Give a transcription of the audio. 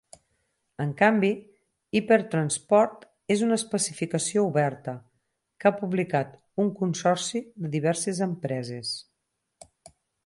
En canvi, HyperTransport és una especificació oberta, que ha publicat un consorci de diverses empreses.